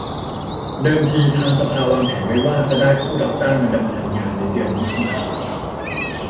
เดิมทีทางสภาวางแผนไว้ว่าจะได้ผู้รับจ้างมาดำเนินงานในเดือนมิถุนายน